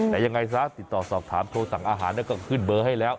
แต่ยังไงซะติดต่อสอบถามโทรสั่งอาหารก็ขึ้นเบอร์ให้แล้ว